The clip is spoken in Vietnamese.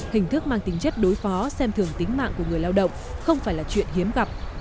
hình thức mang tính chất đối phó xem thường tính mạng của người lao động không phải là chuyện hiếm gặp